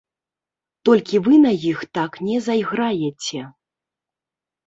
Толькі вы на іх так не зайграеце.